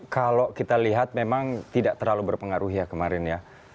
kalau kita lihat memang tidak terlalu berpengaruh ya kemarin ya